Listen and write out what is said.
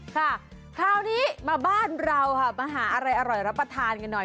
ค่ะคราวนี้มาบ้านเราค่ะมาหาอะไรอร่อยรับประทานกันหน่อย